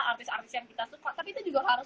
artis artis yang kita suka tapi itu juga harus